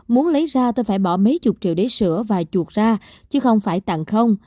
muốn lấy ra tôi phải bỏ mấy chục triệu để sửa và chuột ra chứ không phải tặng không